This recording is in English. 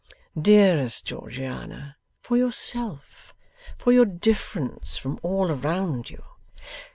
'Dearest Georgiana, for yourself. For your difference from all around you.